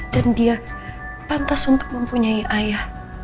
dan dia pantas untuk mempunyai ayah